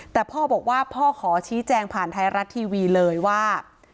แต่พ่อบอกว่าพ่อขอชี้แจงผ่านไทยรัฐทีวีเลยว่า